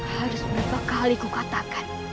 harus berapa kali ku katakan